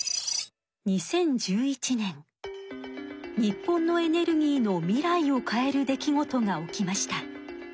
日本のエネルギーの未来を変える出来事が起きました。